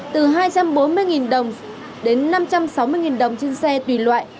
từ hai trăm bốn mươi đồng đến năm trăm sáu mươi đồng trên xe tùy loại